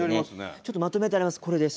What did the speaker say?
ちょっとまとめてあります。